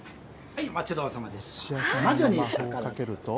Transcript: お待ちどおさまです。